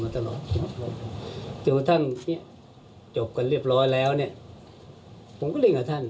ถ้าท่านจบกันเรียบร้อยแล้วเนี่ยผมก็เรียกกับท่าน